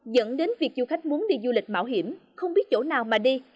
dẫn đến việc du khách muốn đi du lịch mạo hiểm không biết chỗ nào mà đi